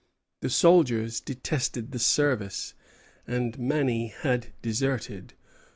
The soldiers detested the service, and many had deserted.